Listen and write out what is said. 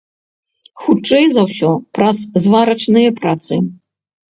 Хутчэй за ўсё, праз зварачныя працы.